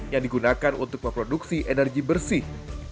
yang digunakan untuk memproduksi energi bersih